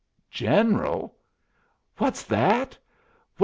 "General? What's that?